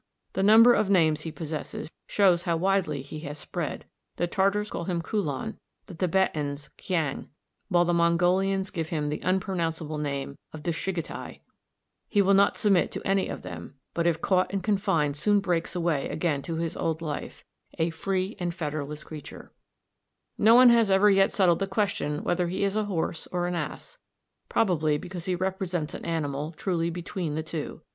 The number of names he possesses shows how widely he has spread. The Tartars call him "Kulan," the Tibetans "Kiang," while the Mongolians give him the unpronounceable name of "Dschiggetai." He will not submit to any of them, but if caught and confined soon breaks away again to his old life, a "free and fetterless creature." [Illustration: Fig. 74. Equus hemionus, "Kiang" or "Kulan," the Horse ass of Tartary and Tibet. (Brehm.)] No one has ever yet settled the question whether he is a horse or an ass, probably because he represents an animal truly between the two.